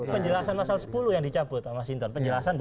penjelasan pasal sepuluh yang dicabut mas hinton